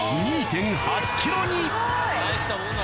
大したもんだ。